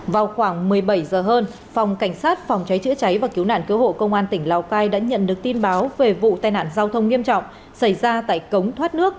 vào khoảng một mươi bảy giờ hơn phòng cảnh sát phòng cháy chữa cháy và cứu nạn cứu hộ công an tỉnh lào cai đã nhận được tin báo về vụ tai nạn giao thông nghiêm trọng xảy ra tại cống thoát nước